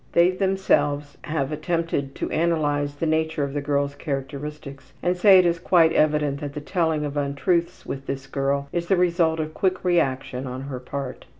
They themselves have attempted to analyze the nature of the girl's characteristics, and say it is quite evident that the telling of untruths with this girl is the result of quick reaction on her part.